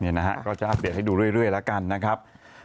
นะฮะก็จะอัปเดตให้ดูเรื่อยแล้วกันนะครับ